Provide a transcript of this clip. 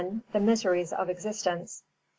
The miseries of existence; 2.